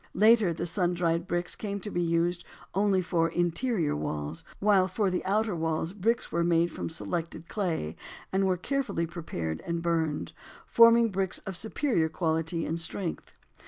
Later the sun dried bricks came to be used only for interior walls, while for the outer walls bricks were made from selected clay and were carefully prepared and burned, forming bricks of superior quality and strength.